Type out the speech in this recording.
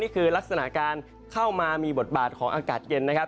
นี่คือลักษณะการเข้ามามีบทบาทของอากาศเย็นนะครับ